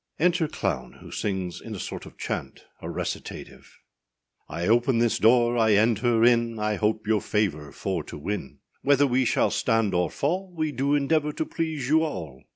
] _Enter _CLOWN, who sings in a sort of chant, or recitative. I OPEN this door, I enter in, I hope your favour for to win; Whether we shall stand or fall, We do endeavour to please you all.